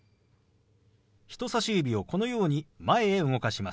人さし指をこのように前へ動かします。